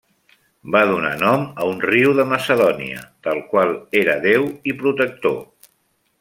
Va donar nom a un riu de Macedònia, del qual era déu i protector.